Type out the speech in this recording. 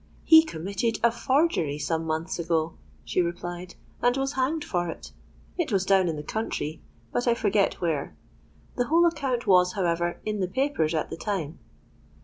—'He committed a forgery some months ago,' she replied, 'and was hanged for it. It was down in the country; but I forget where. The whole account was, however, in the papers at the time.'